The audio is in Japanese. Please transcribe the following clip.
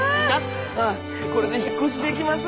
ああこれで引っ越しできます。